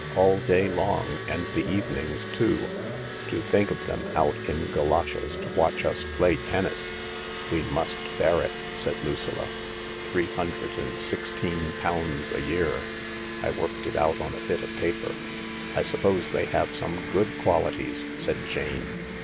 All day long and the evenings too. To think of them out in galoshes to watch us play tennis 1 " "We must bear it/' said Lucilla. "Three hundred and sixteen pounds a year. I worked it out on a bit of paper." " I suppose they have some good qualities," said Jane.